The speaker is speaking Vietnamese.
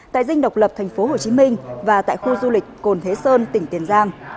tại dinh độc lập tp hcm và tại khu du lịch cồn thế sơn tỉnh tiền giang